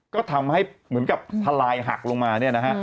ก็ทำให้เหมือนกับทลายหักลงมา